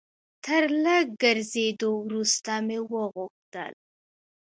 تر لږ ګرځېدو وروسته مې وغوښتل.